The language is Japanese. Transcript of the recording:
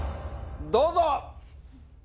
どうぞ！